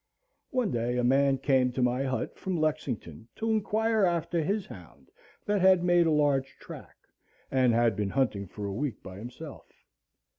One day a man came to my hut from Lexington to inquire after his hound that made a large track, and had been hunting for a week by himself.